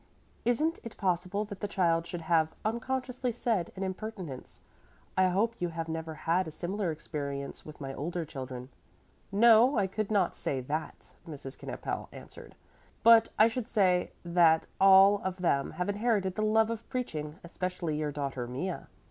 "Isn't it possible that the child should have unconsciously said an impertinence? I hope you have never had a similar experience with my older children." "No, I could not say that," Mrs. Knippel answered. "But I should say that all of them have inherited the love of preaching, especially your daughter Mea.